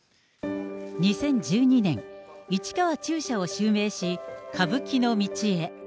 ２０１２年、市川中車を襲名し、歌舞伎の道へ。